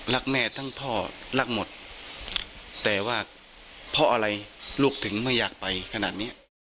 รักแม่ทั้งพ่อรักหมดแต่ว่าเพราะอะไรลูกถึงไม่อยากไปขนาดเนี้ย